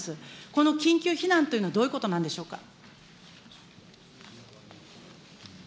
この緊急避難というのはどういうことなんでしょうか。